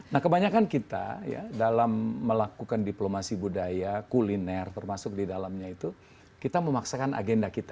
nah kebanyakan kita ya dalam melakukan diplomasi budaya kuliner termasuk di dalamnya itu kita memaksakan agenda kita